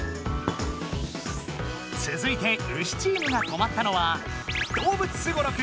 つづいてウシチームが止まったのは動物スゴロク